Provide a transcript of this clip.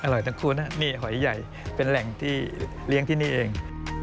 ทั้งคู่นะนี่หอยใหญ่เป็นแหล่งที่เลี้ยงที่นี่เอง